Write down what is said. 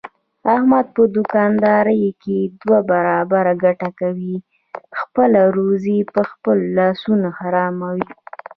احمد په دوکاندارۍ کې دوه برابره ګټه کوي، خپله روزي په خپلو لاسونو حراموي.